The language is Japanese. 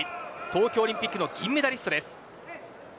東京オリンピックの銀メダリストです。